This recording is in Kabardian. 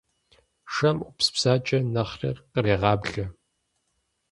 Шэм Ӏупс бзаджэр нэхъри кърегъаблэ.